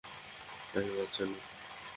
আমি বাচ্চা নই।